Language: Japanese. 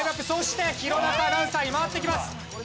そして弘中アナウンサーに回ってきます。